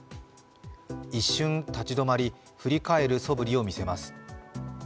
一瞬立ち止まり、振り返るそぶりを見せます。